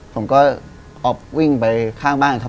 ผมก็ออกวิ่งไปข้างบ้านครับ